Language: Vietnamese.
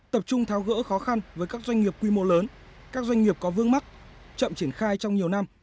tập trung tháo gỡ khó khăn với các doanh nghiệp quy mô lớn các doanh nghiệp có vương mắc chậm triển khai trong nhiều năm